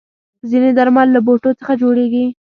ځینې درمل له بوټو څخه جوړېږي.